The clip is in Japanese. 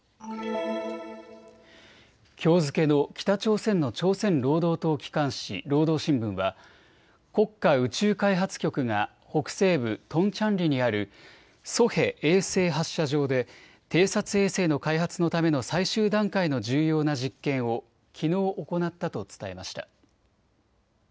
きょう付けの北朝鮮の朝鮮労働党機関紙、労働新聞は国家宇宙開発局が北西部トンチャンリにあるソヘ衛星発射場で偵察衛星の開発のための最終段階の重要な実験をきのう行ったと伝えました。